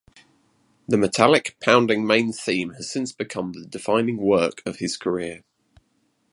The metallic, pounding main theme has since become the defining work of his career.